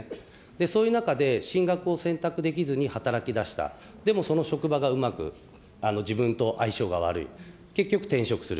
そういう中で、進学を選択できずに働きだした、でもその職場がうまく自分と相性が悪い、結局転職する。